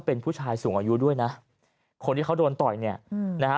เป็นผู้ชายสูงอายุด้วยนะคนที่เขาโดนต่อยเนี่ยนะฮะ